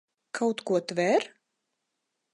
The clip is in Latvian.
Kaut ko tver?